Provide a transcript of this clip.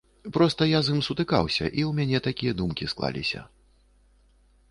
Проста я з ім сутыкаўся і ў мяне такія думкі склаліся.